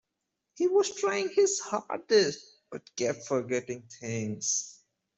He was trying his hardest, but kept forgetting things.